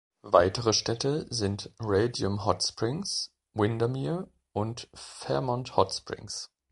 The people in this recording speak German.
Weitere Städte sind Radium Hot Springs, Windermere und Fairmont Hot Springs.